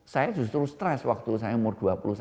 saya justru stres waktu saya umur dua puluh satu